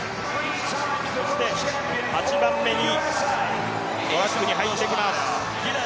そして８番目にトラックに入ってきます。